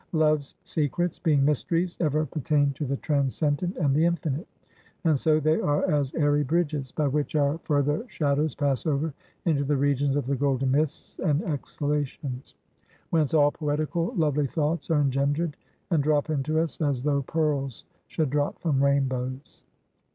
Love's secrets, being mysteries, ever pertain to the transcendent and the infinite; and so they are as airy bridges, by which our further shadows pass over into the regions of the golden mists and exhalations; whence all poetical, lovely thoughts are engendered, and drop into us, as though pearls should drop from rainbows.